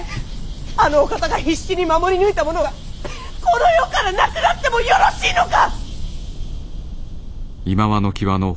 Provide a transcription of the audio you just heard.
あのお方が必死に守り抜いたものがこの世からなくなってもよろしいのか！